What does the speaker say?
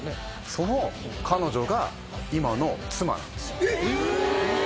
その彼女が今の妻なんですよ。